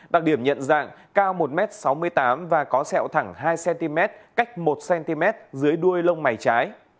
đặc điểm nhận dạng cao một m sáu mươi tám và có sẹo thẳng hai cm cách một cm dưới đuôi lông mày trái